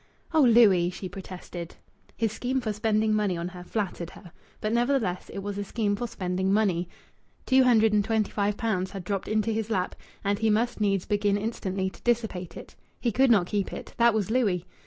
"Oh, Louis!" she protested. His scheme for spending money on her flattered her. But nevertheless it was a scheme for spending money. Two hundred and twenty five pounds had dropped into his lap, and he must needs begin instantly to dissipate it. He could not keep it. That was Louis!